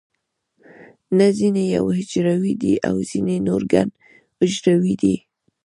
نه ځینې یو حجروي دي او ځینې نور ګڼ حجروي دي